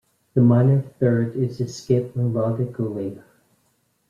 The minor third is a skip melodically.